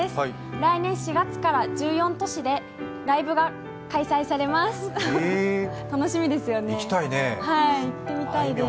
来年４月から１４都市でライブが開催されます。